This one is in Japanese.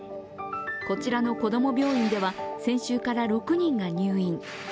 こちらのこども病院では、先週から６人が入院。